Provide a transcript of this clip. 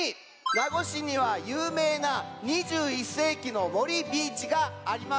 名護市にはゆうめいな２１世紀の森ビーチがあります。